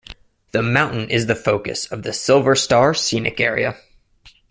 The mountain is the focus of the Silver Star Scenic Area.